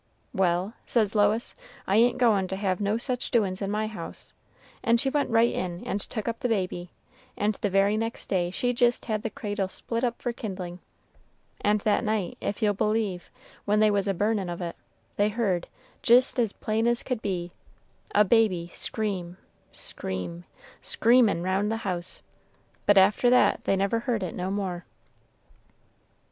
'Well,' says Lois, 'I ain't goin' to have no such doin's in my house,' and she went right in and took up the baby, and the very next day she jist had the cradle split up for kindlin'; and that night, if you'll believe, when they was a burnin' of it, they heard, jist as plain as could be, a baby scream, scream, screamin' round the house; but after that they never heard it no more."